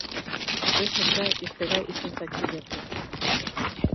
Беҙ һеҙгә иртәгә иртәнсәк килербеҙ.